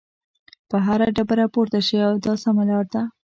په هره ډبره پورته شئ دا سمه لار ده.